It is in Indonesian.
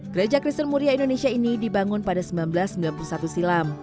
gereja kristen muria indonesia ini dibangun pada seribu sembilan ratus sembilan puluh satu silam